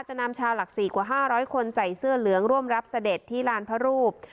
นำชาวหลักศรีกว่า๕๐๐คนใส่เสื้อเหลืองร่วมรับเสด็จที่ลานพระรูป